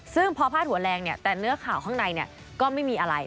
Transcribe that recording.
ซึ่งพอพาดหัวแรงเนี่ยแต่เนื้อข่าวข้างในก็ไม่มีอะไร